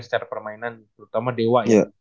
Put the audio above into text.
secara permainan terutama dewa ya